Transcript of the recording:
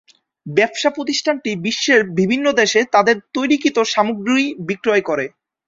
ব্যবসা প্রতিষ্ঠানটি বিশ্বের বিভিন্ন দেশে তাদের তৈরিকৃত সামগ্রী বিক্রয় করে।